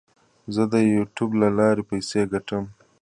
زه د یوټیوب له لارې پیسې ګټم.